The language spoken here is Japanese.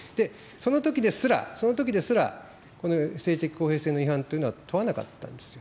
そのときですら、そのときですら、この政治的公平性の違反というのは問わなかったんですよ。